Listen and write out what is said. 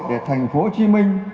để thành phố hồ chí minh